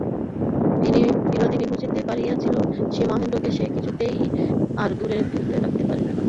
বিনোদিনী বুঝিতে পারিয়াছিল, সেই মহেন্দ্রকে সে কিছুতেই আর দূরে ঠেলিয়া রাখিতে পারিবে না।